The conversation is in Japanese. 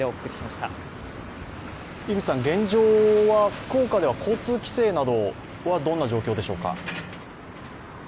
現状は福岡では交通規制などはどんな状況でしょうか？